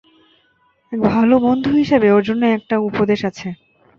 এক ভালো বন্ধু হিসেবে, ওর জন্য একটা উপদেশ আছে।